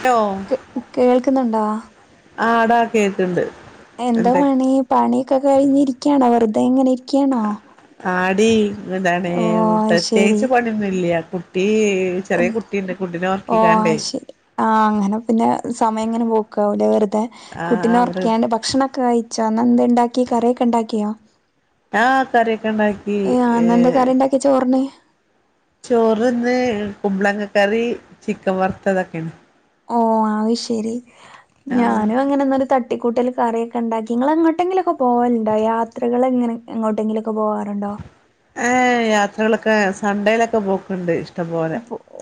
Hello കേൾക്കുന്നുണ്ടോ? ആ ആടാ കേട്ടുണ്ട്. എന്താ പണി പണിയൊക്കെ കഴിഞ്ഞി ഇരിക്കുകണോ വെറുതെ ഇങ്ങനെ ഇരിക്കുകണോ? ആടി എന്താണ് പ്രത്യേകിച്ച് പണിഒന്നുല്ല. ഉ ഓ ഒർക്കിക്കാണ്ടേ ശരി ആഹ് അങ്ങനെ പിന്നെ സ എങ്ങനെ പോക്കില്ല വെറുതെ ആ കുട്ടിനെ അവിടെ ഉറകിയാണ്ട് ഭക്ഷണൊക്കെ കഴിച്ച നന്ന് എന്തേ ണ്ടാക്കി കറിയൊക്കെ ഉണ്ടാക്കിയോ? ആ കറിയൊക്കെ ഉണ്ടാക്കി ന്ന എന്ത കറി ഉണ്ടാക്കി ചോറിന്? ചോറ്ന്ന് കുമ്പളങ്ങ കറി ചിക്കൻ വറുത്ത ഇതൊക്കെയാണ്? ഓ ആ ശരി ആ ഞാനും അങ്ങനെരു തട്ട ട്ടിക്കൂട്ടിക കറിയൊക്കെ ഉണ്ടാക്കി നിങ്ങങ്ങോട്ടെങ്കിലൊക്കെ പോകലണ്ടോ യാത്രകൾ ഇങ്ങനെ അങ്ങോട്ടെങ്കിലും ഏ യാത്രകളൊക്കെ സണ്ടേലൊക്കെ പോക്ണ്ട്.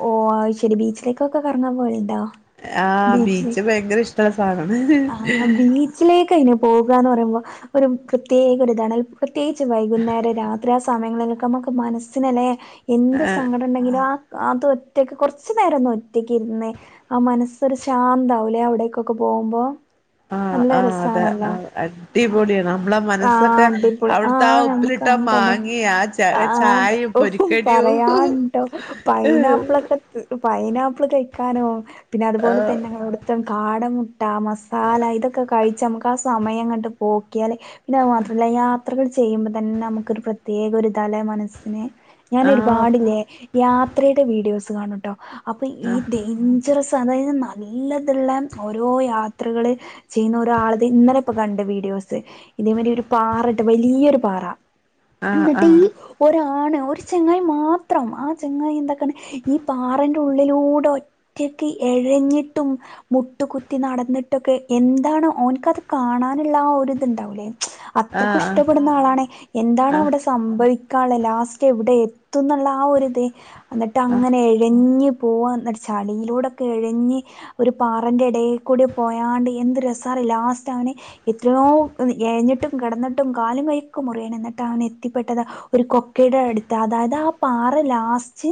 ഓ ശരി ബീച്ചിലേക്കൊക്കെ കറങ്ങാൻ പോലുണ്ടാ. ആഹ ബീച്ച് ഭയങ്കര ഇഷ് ആ ബീച്ചിലേക്ക് അയിന് പോകന് എര് പ്രത്യേകഒര്താണ് പ്രത്യേകിച്ച് വൈകുന്നേരം രാത്രി ആ സമയങ്ങളിൽക്കെ നമുക്ക് മനസ് ല്ലേ എന്ത് ആ സങ്കടം ഉണ്ടെങ്കിലും ആ അത് ഒറ്റയ്ക്ക് കുറച്ചു നേരംഒന്ന് ഒറ്റക്ക് ഇരുന് ആ മനസ് ഒരു ശാന്ത ആവൂലേ അവിടേക്കൊക്കെ പോകുമ്പോ. ആഹ് നല്ല ആഹ് അതെ രസാണല്ലോ അടിപൊളിയാണ് നമ്മളെ ആ മനസ്സൊക്കെ അടിപൊളി ആ അവിടുത്തെ ഉപ്പിലിട്ട നമ്മ തന്നെ മാങ്ങി ച ആ ചായയും ഓ പൊരിക്കടിയും പറയാനട്ടോ പൈനാപ്പിളൊക്കെ പൈനാപ്പിൾ കഴിക്കാനോ പിന്നെ അതുപോലെ തന്നെ കാട മുട്ട മസ് ല ഇതൊക്കെ കഴിച്ച് നമുക്ക് ആ സമയംങ്ങട്ട് പോക്കിയാലേ പിന്നെ അത് മാത്രല്ല യാ യാത്രകൾ ചെയ്യുമ്പോൾ തന്നെ നമുക്കൊരു പ്രത്യേക ഒരുരിതാലെ മനസ്സിന്. ആഹ് ഞാനോരുപാട്ഇല്യേ യാത്രയുടെ വീഡിയോസ് കാണൂട്ടോ അപ്പൊ ഈ ആഹ് ഡൈഞ്ചറസ് അതായത് നല്ലതുള്ള ഓരോ യാത്ര യാത്രകള് ചെയ്യുന്ന ഒരാളത് ഇന്നലെ ഇപ്പൊ കണ്ട് വീഡിയോസ് ഇതേമാരി ഒരു പാറട്ടോ വല്യയൊരു പാറ ആഹ് എന്നിട്ട് ആഹ് ഈ ഒരാ ആണ് ഒരു ചെങ്ങായി മാത്രം ആ ചെങ്ങായി എന്തൊക്കാണ് ഈ പാറിന്റെ ഉള്ളിലൂടെ ഒറ്റ ക് എഴഞ്ഞിട്ടും മുട്ടുകുത്തി നടന്നി ന്തൊക്കെ എന്താണ് ഓനിക്ക് അതു കാണാനുള്ള ആ ഒരിതുണ്ടാവൂല്ലേ അത്രക്കും ആഹ് ഇഷ്ടപ്പെടുന്ന ആളാണെ എന്താണ് ആഹ് അവിടെ സംഭവി ക്കാള്ളത് ലാസ്റ്റ് എവിടെ എത്തുന്നുള്ള ആ ഒരു ഇത് എന്നിട്ട് ആഹ് അങ്ങനെ എഴഞ്ഞു പോവാ എന്ന്ചാലു അയിലൂടൊക്കെ എഴഞ് ഒരു പാറന്റെ ഇടെ കൂടി പോയാണ്ട് എന്ത് രസാറിയാവോ ലാസ്റ്റ് ആണ് എത്രയോ എഴഞ്ഞിട്ടും കിടന്നിട്ടും കാലും കൈയ്യൊ മുറയാണ് എന്നിട്ട് അവന് എത്തിപ്പെട്ടത് ഒരു കൊക്കയുടെ അടുത്ത് അതായത് ആ പാറ ലാസ്റ്റ്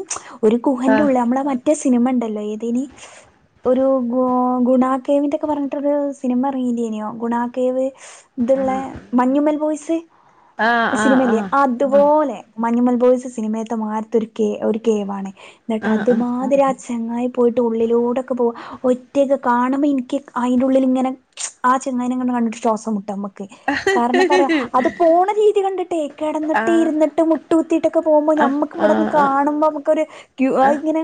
ഒരു ഗുഹന്റെ ഉള്ളിൽ നമ്മളെ മറ്റേ സിനിമ ഉണ്ടല്ലോ ഏതാനി ഒരു ഗു ഗുണാ കേവിന്റൊക്കെ പറഞ്ഞിട്ടൊരു സിനിമ ഇറങ്ങിനിയോ ഗുണകേവ് ഇതുള്ള മഞ്ഞുമൽ ബോയ്സ് ആഹ് ആഹ് ആഹ് ആഹ് ആഹ് ആഹ് ബോയ്സ് സിനിമയിലത്തെ മാരിത്ത ഒരു കേ ഒരു കേവാണ് എന്നിട്ട് അതുമാതിരി ആ ചങ്ങായി പോയിട്ട് ഉള്ളിലൂടൊക്കെ പോവാ ഒറ്റക്ക് കാണുമ്പോൾ എനി നിക്ക് അതിന്റെ ഉള്ളിൽ ഇങ്ങനെ ആ ചെങ്ങായിനെ കണ്ടിട്ട് ശ്വാസം മുട്ടുവാ നമ്മക്ക് കാരണം പറയാം അത് പോണ രീതി കണ്ടിട്ടേ കിടന്നിട്ട് ആഹ് ഇരുന്നിട്ട് മുട്ട് കുത്തിയിട്ടൊക്കെ പോകുമ്പോ ഞമ്മക്ക് ആഹ് ഇവിടെന്ന് ആഹ് കാണുമ്പോ നമുക്കൊരു ക്ക് അതിങ്ങനെ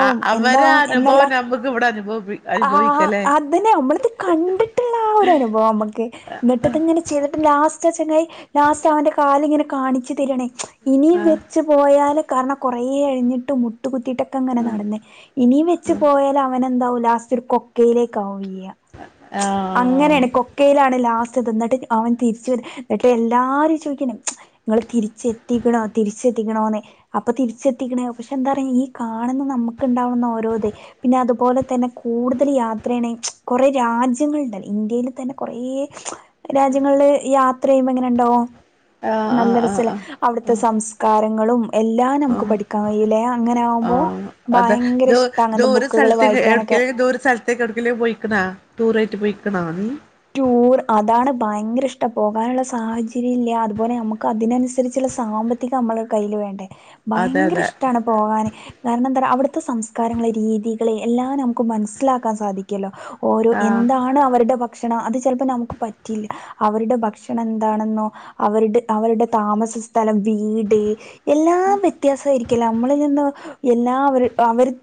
ആ അവരെ എന്താവും എന്നുള്ള അനുഭവം നമ്മുക്ക് ഇവിടെ അനുഭവി ആഹ് അനുഭവിക്കല്ലേ അതിനെ നമ്മളത് കണ്ടിട്ടുള്ള ആ ഒരു അനുഭവം നമ്മുക്ക് എന്നിട്ടതിങ്ങനെ ചെയ്ത് ട്ട് ലാസ്റ്റ് ആ ചങ്ങായി ലാസ്റ്റ് അവന്റെ കാലിങ്ങനെ കാണിച്ചു തരാണ് ഇനിയും ആഹ് വെച്ച് പോയാല് കാരണം കൊറെ ഇഴഞ്ഞിട്ട് മുട്ടു കുത്തിട്ടൊക്കെ ഇങ്ങനെ നടന്നേ ഇനി വെച്ച് പോയാൽ അവ നെന്താവും ലാസ്റ്റ് ഒരു കൊക്കയിലേക്കാവും വീഴ്അ ആഹ് എന്നിട്ട് അവൻ തിരിച്ചു എന്നിട്ട് എല്ലാരും ചോദിക്കാണ് നിങ്ങള് തിരിച്ചെത്തിക്കണോ തിരിച്ചു എത്തിക്കണോന്നു അപ്പൊ തിരിച്ചെത്തിക്കണേ പക്ഷെ എന്താണ് ഈ കാണുന്ന നമുക്കുണ്ടാവുന്ന ഓരോത് പിന്നെ അത് പോലെ തന്നെ കൂടുതൽ യാ ത്രണ് കുറെ രാജ്യങ്ങളുണ്ട് ഇന്ത്യൽ തന്നെ കുറെ രാജ്യങ്ങളിൽ യാത്ര ചെയ് മ്പോ എങ്ങനെ ഉണ്ടാവും ആഹ് ആഹ് നല്ല ആഹ് രസല്ലേ ആഹ് അവിടുത്തെ സംസ്കാരങ്ങളും എല്ലാം നമുക്ക് ആഹ് പഠിക്കാൻ കഴിയില്ലേയാ ആഹ് അതെ ദൂ അങ്ങനത്തെ ദൂര ബുക്കുകൾ സ്ഥലത്ത് വായിക്കാനൊക്കെ ദൂരെ സ്ഥലത്തേക്ക് എവിടേക്കേലും പോയി ഇക്കണ ടൂർ ആയിട്ട് പോയിക്കണോ നീ ടൂർ അതാണ് ഭയങ്കര ഇഷ്ടം പോകാനുള്ള സാഹചര്യം ഇല്ല അതുപോലെ നമുക്ക് അതിനനുസരിച്ചുള്ള സാമ്പത്തികം അതെ അതെ അവിടുത്തെ സംസ്കാരങ്ങള് രീതികള് എല്ലാം നമുക്ക് മനസ്സിലാക്കാൻ സാധിക്കല്ലോ ഓരോ ആഹ് എന്താണ് അവരുടെ ഭക്ഷണം അത് ചിലപ്പോ നമുക്ക് പറ്റില്ലാ അവരുടെ ഭക്ഷണം എന്താണെ സ്ഥലം വീട് എല്ലാം വ്യത്യാസം ആയിരിക്കില്ലേ നമ്മളിൽ നിന്ന്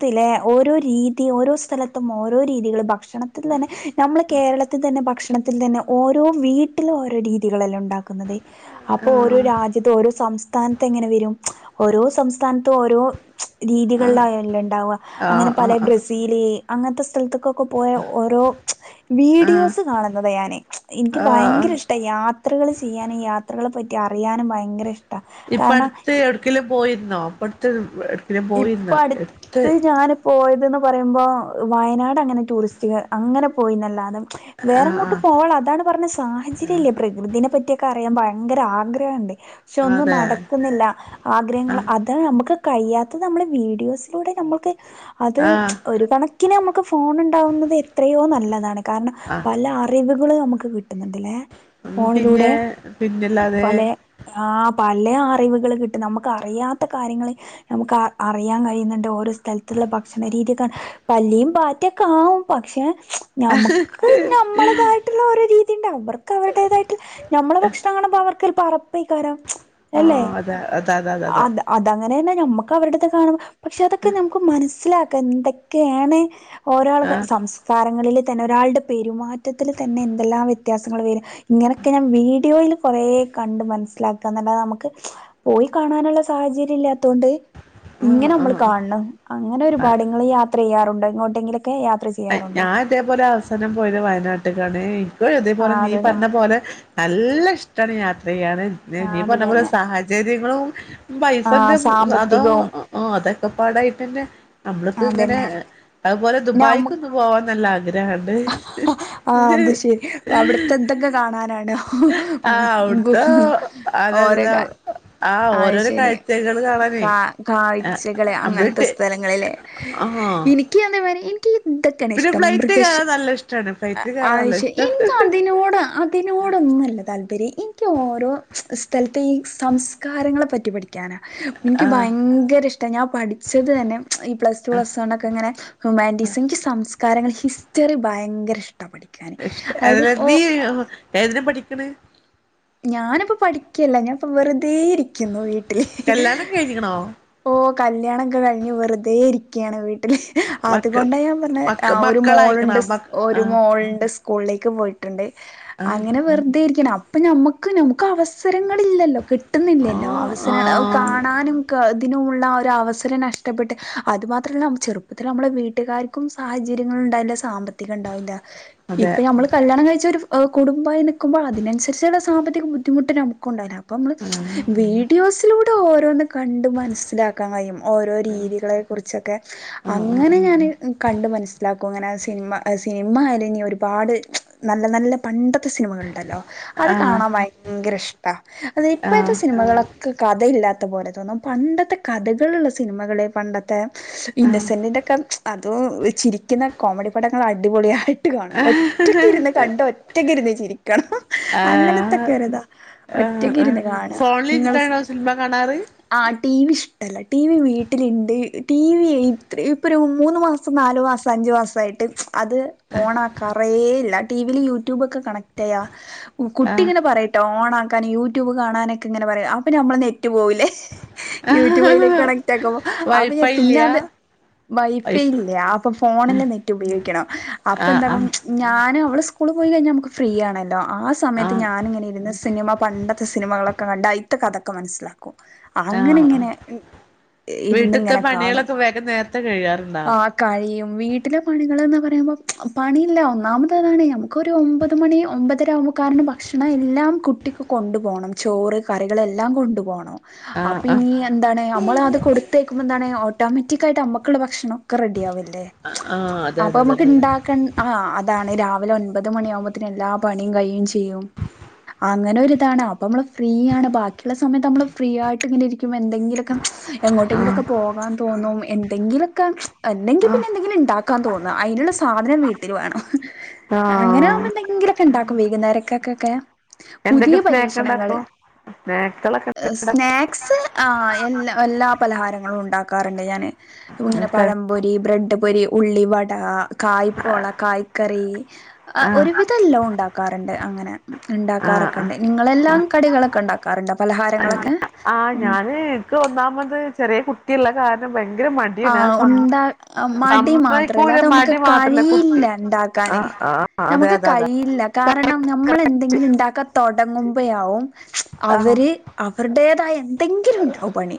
ത്തിലെ ഓരോ രീത് തന്നെ ഭക്ഷണത്തിൽ തന്നെ ഓരോ വീട്ടിലും ഓരോ രീതികളല്ലേ ഉണ്ടാക്കുന്നത് അപ്പൊ ഓരോ ആഹ് രാജ്യ ഇത് ഓരോ സംസ്ഥാനത്ത് എങ്ങനെ വരും ഓരോ സംസ്ഥാനത്തും ഉണ്ടാവാ ആഹ് അങ്ങനെ പല ആഹ് ബ്രസീല് അങ്ങനത്തെ സ്ഥലത്തക്കൊക്കെ പോയ ഓരോ വിഡിയോ ആഹ് സ് കാണുന്നത് ഞാന് എനിക്ക് ആഹ് ഭയങ്കര ഇഷ്ട യാത്രകൾ ചെയ്യാനും യാത്രകളെ പറ്റി അറിയാനും ഭയങ്കര ഇഷ് ഇപ്പ അടുത്ത് എവിടക്കലും പോയിരുന്നോ അപ്പ അടുത്ത് ഇപ്പൊ പോയിരുന്നോ അടുത്ത് എടുത്ത് ഞാൻ പോയത് ന്ന് പറയുമ്പോ വയനാട് അങ്ങനെ ടൂറിസ്റ്റുകൾ അങ്ങനെ പോയിന്നല്ലാതും ആഹ് വേറെങ്ങോട്ട് പോവാ അതാണ് പറഞ്ഞ സാഹചര്യം ഇല്ലേ പ്രകൃതിനെ പറ്റിയൊക്കെ പക്ഷെ ആഹ് ഒന്നും അതെ നടക്കുന്നില്ല ആഗ്രഹങ്ങൾ ആഹ് അത് അത് നമ്മള് വീഡിയോസിലൂടെ നമ്മൾക്ക് അത് ആഹ് ഒരു കണക്കിന് നമുക്ക് ഫോൺ ഉണ്ടാവുന്നത് യോ നല്ലതാണ് കാരണം ആഹ് ഉം ഫോണിലൂടെ പിന്നെ പിന്നല്ലാതെ പല പല അറിവുകൾ കിട്ടും നമുക്ക് അറിയാത്ത കാര്യങ്ങൾ നമുക്ക് അ അറിയാൻ കഴിയുന്നുണ്ട് ഓരോ സ്ഥലത്തുള്ള ഭക്ഷണ രീതി തന്നെ പല്ലിയും പാറ്റൊക്കെ ആവും പക്ഷെ നമക്ക് നമ്മളതായിട്ടുള്ള ഒരു രീതിണ്ട് അവർക്ക് അവരുടേതായിട്ട് നമ്മള ഭക്ഷണങ്ങളും അവർക്കു ചെല്പപൊ അറപ്പേരാം അല്ലെ ആഹ് അതെ അതെ അതെ അതെ അ അതെ അതങ്ങനെ തന്നെ ഞമ്മക്ക് ഒക്കെ അവരുടെ അടുത്ത് കാണും പക്ഷെ അതൊക്കെ നമുക്ക് മനസ്സിലാക്കാം എന്തൊക്കെയാണ് ഒരാൾത് ആഹ് സംസ്കാര ങ്ങളിൽ തന്നെ ഒരാളുടെ പെരുമാറ്റത്തിൽ തന്നെ എന്തെല്ലാം വ്യത്യാസങ്ങൾ വരും ഇങ്ങനൊക്കെ ഞാൻ വീഡിയോയിൽ കു കൊറേ കണ്ട് മനസ്സിലാക്കുക എന്നല്ലാത് നമുക്ക് പോയി കാണാനുള്ള സാഹചര്യം ഇല്ലാത്തോണ്ട് ഇങ്ങനെ നമ്മൾ ആഹ് കാണണം അങ്ങനെ ആഹ് ഒരുപാട് ഇങ്ങള് യാത്ര ചെയ്യാറുണ്ട് ഇങ്ങോട്ടെങ്കിലൊക്കെ യാത്ര ചെ ഞാൻ ഇതേപോലെ അവസാനം പോയത് വയനാട്ട്ക്കാണ് എനിക്കു ഇതേപോലെ ആഹ് നീ അത് തന്നെ പറഞ്ഞ പോലെ നല്ല ഇഷ്ടാണ് യാത്ര ചെയ്യാന് ആഹ് നീ അത് പറഞ്ഞ പോലെ തന്നെ സാഹചര്യങ്ങളും പൈസന്റെ ആഹ് അതോ സാമ്പത്തികവും അതൊക്കെപാടായിട്ട്ന്നെ നമ്മള്ക്ക് ഇങ്ങനെ അതന്നെ അതുപോലെ നമ്മ ദുബായ്ക്കൊന്ന് പോവാൻ നല്ല ആഗ് ഗ്രഹം ഇണ്ട് ആഹ് ഹ്ഹ് അത് ശരി അവിടുത്തെ എന്തൊക്കെ കാണാനാണ് ആ അവിട്ത്തെ അതെ ഓരോ അതെ കാ ആ അത് ഓരോരോ ശരി കാഴ്ചകൾ കാണാനേ കാ കാഴ്ചകള് അങ്ങനത്തെ നമ്മള് സ്ഥലങ്ങള് ലെ ആ എനിക്ക് അതെമാരി ഇ ക്കി ഇതൊക്കെയാണ് പിന്നെ ഇഷ്ടം ഫ്ലൈറ്റ് മൃഗശാ കയറാൻ നല്ല ഇഷ്ടാണ് ഫ്ലൈറ്റ് ആ കയറാൻ നല്ല ഇഷ്ടാണ് എനിക്ക് അതിനോട് അതിനോ നൊടൊന്നുംല്ല താല്പര്യം എനിക്ക് ഓരോ സ്ഥലത്തെ ഈ സംസ്കാരങ്ങളെ പറ്റി പഠി ക്കാനാ എനിക്ക് ആ ഭയങ്കര ഇഷ്ട ഞാൻ പഠിച്ചത് തന്നെ ഈ പ്ലസ്‌ ടു പ്ലസ്‌ വൺ ഒക്കെ ഇങ്ങനെ ഹു ഹ്യൂമൻറ്റിസ് സംസ്കാരങ്ങൾ ഹിസ്റ്ററി ഭയങ്കര ഇഷ് അതെല്ല നീ ഏതിനാ പഠിക്കണ് ഞാനിപ്പ പഠിക്കല്ല ഞാൻപ്പ വെറു തെരിക്കുന്നു വീട്ടില് കല്യാണം കഴിഞ്ഞിക്കണോ ഓ കല്യാണം ഒക്കെ കഴി ഞ്ഞു വെറുതെ ഇരിക്കാണ് വി മക്കൾ അതുകൊണ്ട ഞാൻ പറഞ്ഞേ മക്ക ഒരു മക്കളായിക്കണ മോളുണ്ട് മ ആ ഒരു മോളുണ്ട് സ് സ്കൂളിലേക്ക് പോയിട്ടുണ്ട് ആ അങ്ങനെ വെറുതെരിക്കണ് അപ്പോ നമ്മക്ക് നമ്മക്ക് അവസാ ങ്ങളില്ലല്ലോ കിട്ടുന്നില്ലല്ലോ ആ ആ അവസരംങ്ങള് കാണാനും അതിനുള്ള ആ ഒരു അവസരം നഷ്ടപ്പെട്ട് അത് മാത്രമല്ല ചെറുപ്പത്തിൽ നമ്മളുടെ വീട്ടുകാർക്കും സാഹചര്യങ്ങളു ണ്ടവില്ല സാമ്പത്തികം ഇണ്ടാവില്ല അതെ ഇപ്പോ നമ്മള് കല്യാണം കഴിച്ച് ഒരു കുടുംബയി നിൽക്കുമ്പോൾ അതിനനുസരിച്ച് സാമ്പത്തിക ബുദ്ധിമുട്ട് നമുക്ക് ഉണ്ടവുല്ല അപ്പ നമ്മള് ആ ആ വീഡിയോസിലൂടെ ഓരോന്ന കണ്ട് മനസ്സിലാക്കാൻ കഴിയും ഓരോ രീതികളെ കുറിച്ചൊക്കെ അങ്ങനെ ആ ഞാന് കണ്ട് മനസ്സിലാക്കും അങ്ങനെ ആ സിനിമ സിനിമ ആയാലും ഇനി ഒരുപാട് നല്ല നല്ല പണ്ടത്തെ സിനിമകൾ ഉണ്ടല്ലോ അത് ആ ആ കാണാൻ ഭയങ്കര ഇഷ്ട അത് ഇപ്പോഴത്തെ സിനിമകളൊക്കെ കഥയില്ലാ ത്ത പോലെ തോന്നും പണ്ടത്തെ കഥകളുള്ള സിനിമകള് പണ്ടത്തെ ഇന്നസെന്റിന്റെ ഒക്കെ അതും ചിരിക്കുന്ന കോമഡി പടങ്ങൾ അടിപൊളിയാ ട്ട് കാണും ഒറ്റക്ക് ഇരുന്ന് കണ്ട് ഒറ്റക്ക് ഇരുന്ന് ചിരിക്കണം ആ ആ അങ്ങനത്തൊക്കെ ഇരുതാ ഒറ്റക്ക് ആ ഇരുന്ന് കാണാ ഫോണിൽ നിങ്ങള് സി ഇരുന്നിട്ടാണോ സിനിമ കാണാറ് ടി വി ഇഷ്ടല്ല ടി വി വീട്ടിലുണ്ട് ടി വി ഇത്ര ഇപ്പോ ഒരു മൂന്ന് മാസം നാലു മാസം അ ഞ്ചുമാസായിട്ട് അത് ഒണാക്കേറയില്ല ടിവില് യൂട്യൂബ് ഒക്കെ കണക്ട്യ്യ ആ കുട്ടിങ്ങനെ പറയുട്ടോ ഓൺ ആക്കാൻ യൂട്യൂബ് കാണാനൊക്കെ ഇങ്ങനെ പറയും അപ്പോ നമ്മളെ നെറ്റ് പോകൂല്ലേ യൂട്യൂബ് അതിലേക്ക് കണക്ട് ആക്കുമ്പോ അപ്പോ ഞാൻ വൈഫൈ പിന്നെ ഇല്ല അത് വൈഫൈ വൈഫ് ഇല്ലേ അപ്പോ ഫോണില് നെറ്റ് ഉപയോഗിക്കണം അപ്പോ ആ ആ എന്താക്കും ഞാനും അവള് സ്കൂള് പോയി കഴിഞ്ഞാൽ നമുക്ക് ഫ്രീ ആണല്ലോ ആ സമയത്ത് ഞാനിങ്ങനെ ഇരുന്ന് സിനിമ പണ്ടത്തെ സിനിമകളൊക്കെ കണ്ട് അയിത്തെ കഥക്കെ മനസ്സിലാക്കും ആ അങ്ങനെ ആ ഇങ്ങനെ വീട്ടിലത്തെ ഇരുന്നിങ്ങനെ കാണും പണികളൊക്കെ വേഗം നേരത്തെ കഴിയാറുണ്ടോ ആ കഴിയും വീട്ടിലെ പണികൾന്ന് പറയുമ്പോ പണിയില്ല ഒന്നാമത് അതാണ് നമുക്കൊരു ഒമ്പത് മണി ഒമ്പതരാ ആവുമ്പോ കാരണം ഭക്ഷണം എല്ലാം കുട്ടിക്ക് കൊണ്ടുപോണം ചോറ് കറികളെല്ലാം കൊണ്ടു പോണം ആ അപ്പോ ആ ഇനി എന്താണ് നമ്മളാ അത് കൊടുത്തേക്കുമ്പോ എന്താണ് ഒ ഓട്ടോമാറ്റിക്കായിട്ട് നമ്മക്കുള്ള ഭക്ഷണം ഒക്കെ റെഡിയാവല്ലേ ആ അതെ അപ്പോ അതെ നമുക്ക് അതന്നെ ഇണ്ടാക്കൺ ആ അതാണ് രാവി ലെ ഒൻപത് മണിയവുമ്പോത്തേന് എല്ലാ പണിയും കഴിയും ചെയ്യും അങ്ങനെ ഒരിതാണ് അപ്പോ നമ്മള് ഫ്രീയണ് ബാക്കിയുള്ള സമയത്ത് നമ്മള് ഫ്രീ ആയിട്ട് ഇങ്ങനെ ഇരിക്കുമ്പോ എന്തെങ്കിലൊക്കെ ആ എങ്ങോട്ടെങ്കിലൊക്കെ പോകാൻ തോന്നും എന്തെങ്കിലൊക്കെ അല്ലെങ്കി ആ പിന്നെ എന്തെങ്കിലും ഇണ്ടാക്കാൻ തോന്നാ അയ്ൻള്ള സാധനം വീട്ടിൽ വേണം ആ അങ്ങനെ ആകുമ്പോ എന്തെങ്കിലുക്കെ ഇണ്ടാക്കും വൈകുന്നേരക്കൊക്കെ പുതിയ എന്തൊക്കെ സ്നാക്ക് പരീശണങ്ങള് ഉണ്ടാക്കും സ്നാക്കുകളൊക്കെ സ്നാക്സ് ആ എല്ലാ എല്ലാ പലഹാരങ്ങളും ഉണ്ടാക്കാറുണ്ട് ഞാന് ഇങ്ങനെ പഴം പൊരി ബ്രെഡ് പൊരി, ഉള്ളിവട, കായ്പോള, കായ്ക്കറി ആ ഒരുവിധെല്ലാം ഉണ്ടാ അകരണ്ട് അങ്ങനെ ആ ആ ണ്ടാക്കാറൊക്കെണ്ട് നിങ്ങളെല്ലാം കടികളൊക്കെ ണ്ടാക്കാർണ്ടോ പലഹാരങ്ങളൊക്കെ ആഹ് ഉം ഞാന് എനിക്ക് ഒന്നാമത് ചെറിയ കുട്ടിയുള്ള കാരണം ഭയങ്കര ആ മടിയാണ് സം ഉണ്ട മടി മാത്രല്ല സമ്മതിക്കൂല അത് നമുക്ക് മടി മാത്രല്ല കുട്ടി കഴിയില്ലണ്ടാക്കാൻ ആ ആ അതെ നമുക്ക് അതെ അതെ കഴിയില്ല കാരണം നമ്മൾ എന്തെങ്കിലും ഉണ്ടാക്കത്തൊടങ്ങുമ്പോയാവും ആ അവര് അവരുടേതായ എന്തെങ്കിലും ഉണ്ടാവും പണി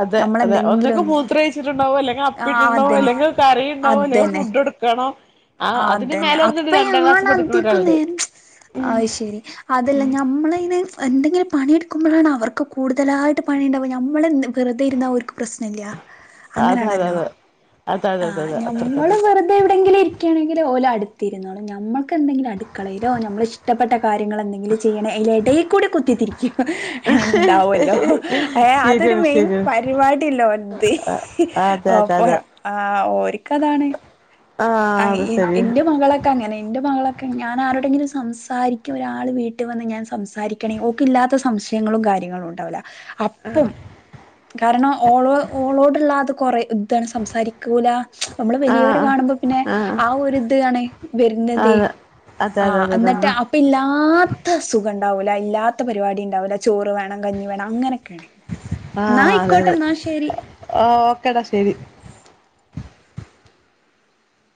അതെ അതെ നമ്മളെന്തെങ്കിലും ഒന്നൊക്കെ ഒന്ന് മൂത്രച്ചി ണ്ടാവോ അല്ലെങ്ക ആഹ് അപ്പിട്ടുണ്ടാവോ അതന്നെ അല്ലെങ്ക കറി ഉണ്ടാവോ അല്ലെങ്ക ഫുഡ് കൊട്ക്കണം ആ അതന്നെ അപ്പയാണ് പഠിക്കുന്ന അധിക്കും ഒരാളുണ്ട് നേരം അ ശരി അതല്ല ഞമ്മ [unintelligible] എന്തെങ്കിലും പണിയെടുക്കുമ്പോഴാണ് അവർക്ക് കൂടുതലായിട്ട് പണിയുണ്ടാവുക നമ്മളെ വെറുതെ ഇരിന്നാ ഓര്ക്ക് പ്രശ്നംല്ല അതെ അതെ അങ്ങനെയാണല്ലോ അതെ അതെ അതെ ആ അതെ അതെ അത്ര നമ്മള് തന്നെ വെറുതെ എവിടെങ്കിലും ഇ പോലെ അടുത്തിരുന്നോളും നമ്മക്കെന്തെങ്കിലും അടുക്കളേല്ലോ നമ്മൾ ഇഷ്ടപ്പെട്ട കാര്യങ്ങൾ എന്തെിലും ചെയ്യണേ അയിന്റെയ ടേൽ കൂടെ കുത്തിരിക്കും ഉണ്ടാവല്ലോ അതൊരു ശരിയാണ് മെയിൻ ശരിയാണ് പരിപാടി ല്ലേ ഓൽത് അതെ ഓ അതെ പോയ അതെ ആ ഓരിക്കതാണ് ആഹ് അത് ശരിയാ അഎന്റെ മകളൊക്കെ അങ്ങനെ എന്റെ മകള ഞാനാരോടെങ്കിലും സംസാരിക്കു ഒരാൾ വീട്ടിൽ വന്ന് ഞാൻ സംസാരിക്കണേ ഓക് ഇല്ലാത്ത സംശയങ്ങളും കാര്യ കാര്യങ്ങള്ണ്ടാവൂല്ല അപ്പം കാരണം ഓളോ ഓളോടുള്ളത് കൊറെ ഇതാണ് സംസാരിക്കൂല നമ്മള് വലിയവരെ ആഹ് കാണുമ്പോ പിന്നെ ആഹ് ആ ഒരി ഇത് ആണ് വരുന്നതേ അതെ അതെ ആ അതെ അതെ അന്നിട്ട് തന്നെ അപ്പ ഇല്ലാത്ത സുഖം ണ്ടാവുല്ല ഇല്ലാത്ത പരിപാടി ഉണ്ടാവൂല്ല ചോറ് വേണം കഞ്ഞി വേണം അങ്ങനൊക്കെയാണ് ആഹ അതെ അതെ ആ ഓക്കേടാ ശെരി